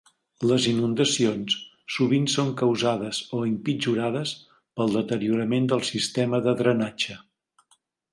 Les inundacions sovint són causades o empitjorades pel deteriorament del sistema de drenatge.